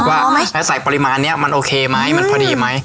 ว่าใส่ปริมาณนี้มันโอเคมั้ยมันพอดีมั้ย